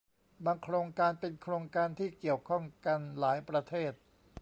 บางโครงการเป็นโครงการที่เกี่ยวข้องกันหลายประเทศ